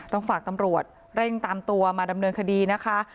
ต้องฝากตำรวจเร่งตามตัวมาดำเนินคดีนะคะ